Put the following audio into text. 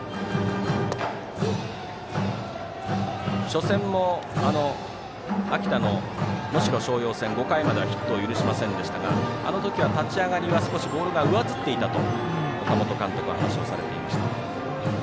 初戦も秋田の能代松陽戦５回まではヒットを許しませんでしたがあのときは、立ち上がりはボールが少し上ずっていたと岡本監督は話をされていました。